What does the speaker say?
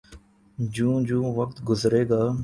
جوں جوں وقت گزرے گا۔